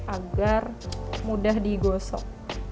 agar mudah digosok